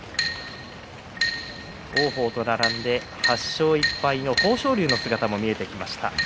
王鵬と並んで８勝１敗の豊昇龍の姿も見えてきました。